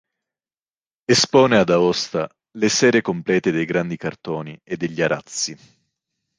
Espone ad Aosta le serie complete dei grandi cartoni e degli arazzi.